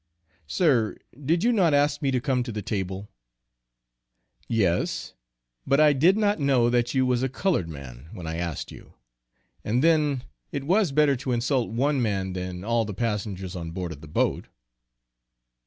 "Sir, did you not ask me to come to the table?" "Yes, but I did not know that you was a colored man, when I asked you; and then it was better to insult one man than all the passengers on board of the boat."